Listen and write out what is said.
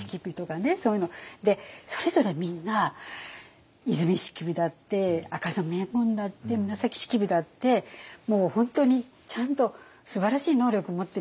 でそれぞれみんな和泉式部だって赤染衛門だって紫式部だってもう本当にちゃんとすばらしい能力を持ってる人じゃないですか。